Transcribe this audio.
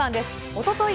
おととい